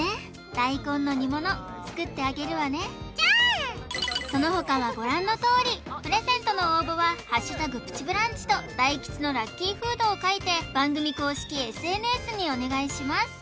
大根の煮物作ってあげるわねそのほかはご覧のとおりプレゼントの応募は「＃プチブランチ」と大吉のラッキーフードを書いて番組公式ＳＮＳにお願いします